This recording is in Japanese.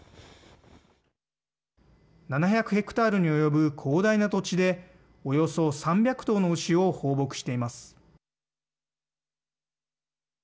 ヘクタールに及ぶ広大な土地でおよそ３００頭の牛を放牧しています。